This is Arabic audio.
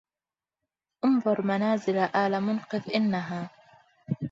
انظر منازل آل منقذ إنها